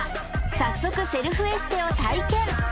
早速セルフエステを体験